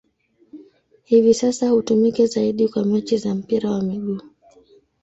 Hivi sasa hutumika zaidi kwa mechi za mpira wa miguu.